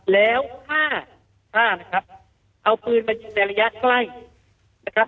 แล้วผ้าเอาปืนมันอยู่ในระยะใกล้